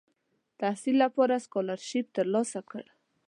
تحصیل لپاره سکالرشیپ تر لاسه کړ.